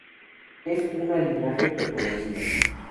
Es una linaje precolombino.